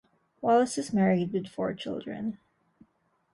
Wallace is married with four children.